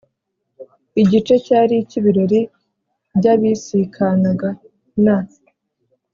igice cyari icy’ibirori byabisikanaga n’